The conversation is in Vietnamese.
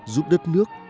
giúp đất nước